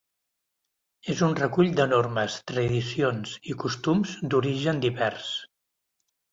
És un recull de normes, tradicions i costums d'origen divers.